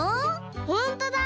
ほんとだ！